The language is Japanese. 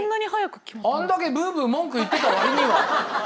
あんだけブーブー文句言ってた割には。